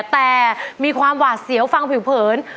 แต่มีความหวาดเสียวฟังผิวเผิน